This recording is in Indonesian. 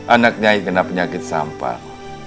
anak saya terkena penyakit sampah